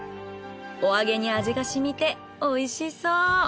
お揚げに味が染みて美味しそう。